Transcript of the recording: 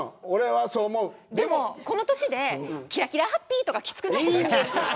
でもこの年できらきらハッピーとかきつくないですか。